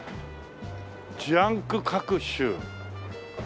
「ジャンク各種」